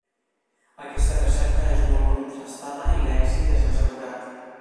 Aquesta recepta és molt contrastada i l'èxit és assegurat.